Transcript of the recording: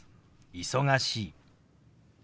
「忙しい」。